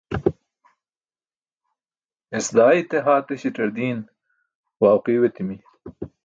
es daa ite haa teśaṭar diin wau qiyo etimi